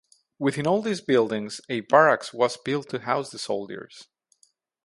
Within all these buildings a barracks was built to house the soldiers.